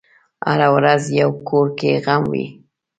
هره ورځ یو کور کې غم وي.